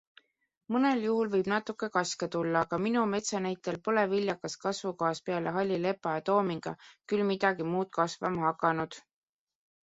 Mõnel juhul võib natuke kaske tulla, aga minu metsa näitel pole viljakas kasvukohas peale halli lepa ja toominga küll midagi muud kasvama hakanud.